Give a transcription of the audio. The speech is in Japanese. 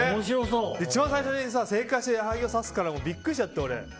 一番最初に正解して矢作が指すからビックリしちゃったよ、俺。